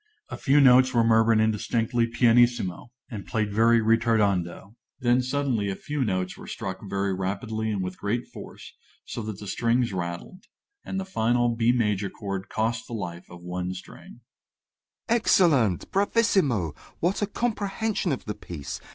A few notes were murmured indistinctly pp., and played very ritardando; then suddenly a few notes were struck very rapidly and with great force, so that the strings rattled; and the final B major chord cost the life of one string._) MR. GOLD. Excellent! bravissimo! What a comprehension of the piece!